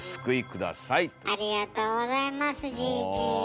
ありがとうございますじぃじ。